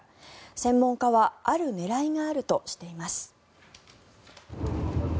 専門家はある狙いがあるとしています。